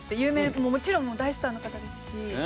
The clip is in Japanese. もちろん大スターの方ですし。